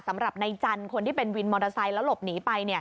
สำหรับในจันทร์คนที่เป็นวินมอเตอร์ไซค์แล้วหลบหนีไป